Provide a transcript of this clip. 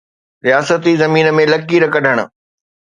رياستي زمين ۾ لڪير ڪڍڻ.